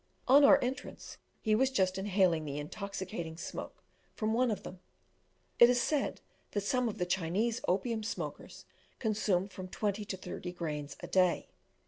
On our entrance, he was just inhaling the intoxicating smoke from one of them. It is said that some of the Chinese opium smokers consume from twenty to thirty grains a day.